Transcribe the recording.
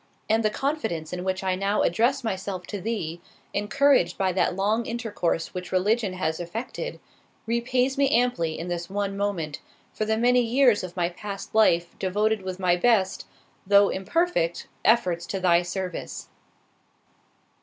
And the confidence in which I now address myself to Thee, encouraged by that long intercourse which religion has effected, repays me amply in this one moment, for the many years of my past life devoted with my best, though imperfect, efforts to thy service."